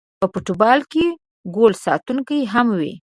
په فوټبال کې ګول ساتونکی هم وي